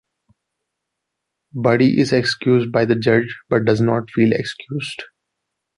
Buddy is excused by the judge, but does not feel "excused".